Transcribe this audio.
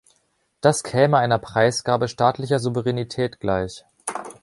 Das käme einer Preisgabe staatlicher Souveränität gleich.